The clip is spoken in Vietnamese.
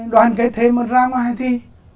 đoàn kết thế mà ra ngoài thì